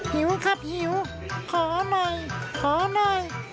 หิวครับหิวขอหน่อยขอหน่อย